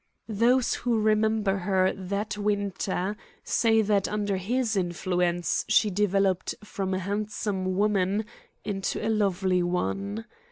Those who remember her that winter say that under his influence she developed from a handsome woman into a lovely one.